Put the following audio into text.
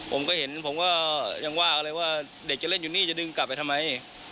ผมก็เห็นผมก็ยังว่ากันเลยว่าเด็กจะเล่นอยู่นี่จะดึงกลับไปทำไม